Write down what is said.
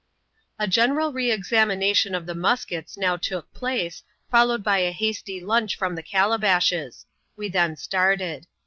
A general re examination of the muskets now took place, . followed by a hasty lunch from the calabashes : we then started.